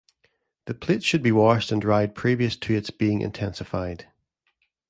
The plate should be washed and dried previous to its being intensified.